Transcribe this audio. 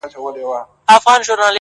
هندو نه یم’ خو بیا هم و اوشا ته درېږم’